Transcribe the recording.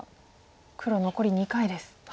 黒残り２回です。